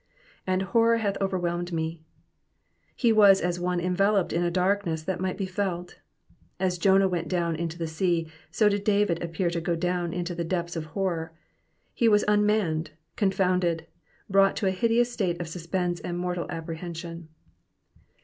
And horror hath overwhelmed tn^.'* He was as one enveloped in a darkness that might be felt. As Jonah went down into the sea, so did David appear to go down into deeps of horror. He was unmanned, confounded, brought into a hideous state of suspense and mortal apprehension.